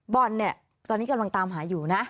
บอลเนี่ยตอนนี้กำลังตามหาอยู่นะ